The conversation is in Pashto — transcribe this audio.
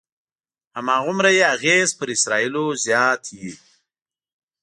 هماغومره یې اغېز پر اسرایلو زیات وي.